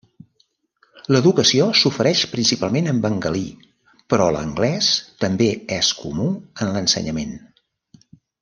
L'educació s'ofereix principalment en bengalí, però l'anglès també és comú en l'ensenyament.